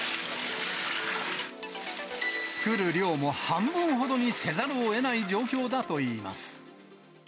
作る量も半分ほどにせざるをえない状況だといいます。